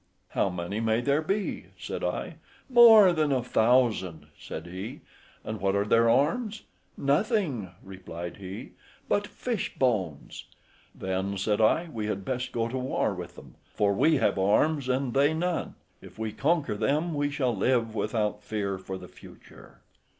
"How many may there be?" said I. "More than a thousand," said he. "And what are their arms?" "Nothing," replied he, "but fish bones." "Then," said I, "we had best go to war with them, for we have arms and they none; if we conquer them we shall live without fear for the future."